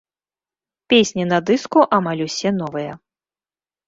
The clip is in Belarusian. Песні на дыску амаль усе новыя.